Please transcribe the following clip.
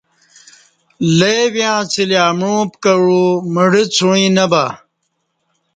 لے ویں اڅہ لی امعو پکہ عو مڑہ څوعیں نہ بہ